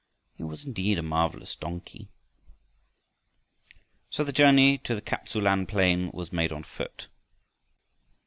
He was indeed a marvelous donkey! So the journey to the Kap tsu lan plain was made on foot.